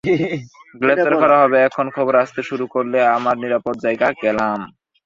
গ্রেপ্তার করা হবে, এমন খবর আসতে শুরু করলে আমরা নিরাপদ জায়গায় গেলাম।